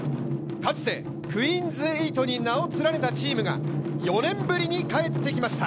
かつてクイーンズエイトに名を連ねたチームが４年ぶりに帰ってきました。